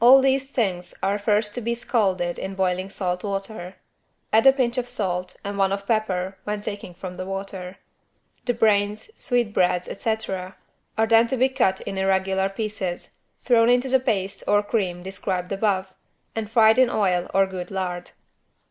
All these things are first to be scalded in boiling salt water. Add a pinch of salt and one of pepper when taking from the water. The brains, sweetbreads etc. are then to be cut in irregular pieces, thrown into the paste, or cream, described above and fried in oil or good lard.